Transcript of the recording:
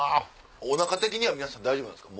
おなかは皆さん大丈夫ですか？